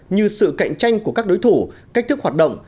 như sự cạnh tranh của các đối thủ cách thức hoạt động